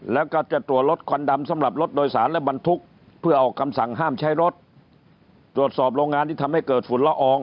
แล้วก็จะตรวจรถควันดำสำหรับรถโดยสารและบรรทุกเพื่อออกคำสั่งห้ามใช้รถตรวจสอบโรงงานที่ทำให้เกิดฝุ่นละออง